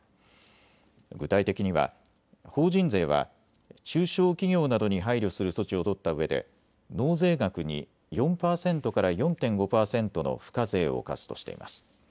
具体的には法人税は中小企業などに配慮する措置を取ったうえで納税額に４％から４．５％の付加税を課すとしています。